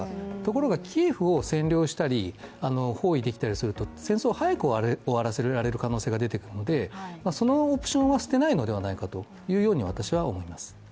ところがキーウを占領したり包囲できたりすると戦争を早く終わらせられる可能性が出てくるのでそのオプションは捨てないのではないかと私は思います。